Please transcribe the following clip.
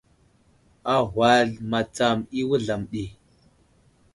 Agwal matsam i wuzlam ɗi.